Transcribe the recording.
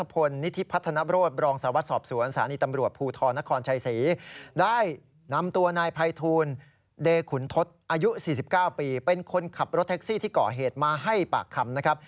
เป็นคนขับรถเทคซี่ที่เกาะเหตุมาให้ปากคำ